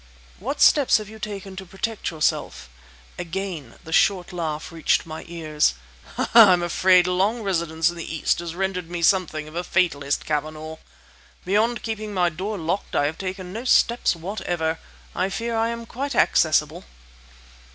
"What steps have you taken to protect yourself?" Again the short laugh reached my ears. "I'm afraid long residence in the East has rendered me something of a fatalist, Cavanagh! Beyond keeping my door locked, I have taken no steps whatever. I fear I am quite accessible!"